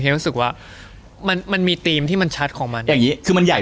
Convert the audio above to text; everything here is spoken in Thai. รู้สึกว่ามันมันมีธีมที่มันชัดของมันอย่างงี้คือมันใหญ่